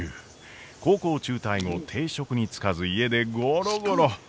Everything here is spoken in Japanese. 高校を中退後定職に就かず家でゴロゴロ。